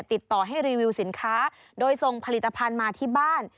ติดต่อให้รีวิวสินค้าโดยส่งผลิตภัณฑ์มาที่บ้าน